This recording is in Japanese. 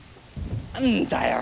何だよ